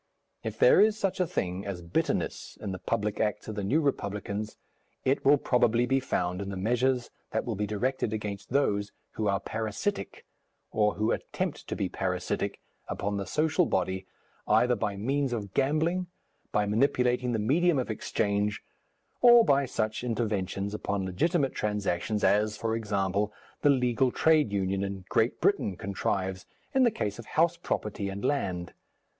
If there is such a thing as bitterness in the public acts of the New Republicans, it will probably be found in the measures that will be directed against those who are parasitic, or who attempt to be parasitic, upon the social body, either by means of gambling, by manipulating the medium of exchange, or by such interventions upon legitimate transactions as, for example, the legal trade union in Great Britain contrives in the case of house property and land.